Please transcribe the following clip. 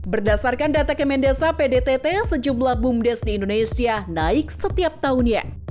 berdasarkan data kemendesa pdtt sejumlah bumdes di indonesia naik setiap tahunnya